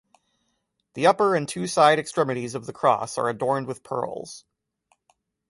The upper and two side extremities of the cross are adorned with pearls.